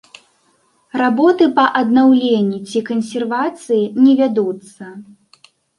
Работы па аднаўленні ці кансервацыі не вядуцца.